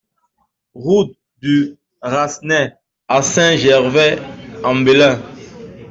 Route du Rasnay à Saint-Gervais-en-Belin